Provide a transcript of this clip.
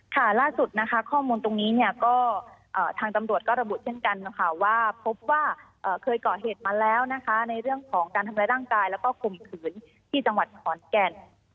ล่าสุดนะคะข้อมูลตรงนี้เนี่ยก็ทางตำรวจก็ระบุเช่นกันนะคะว่าพบว่าเคยเกาะเหตุมาแล้วนะคะในเรื่องของการทำร้ายร่างกายแล้วก็ข่มขืนที่จังหวัดขอนแก่น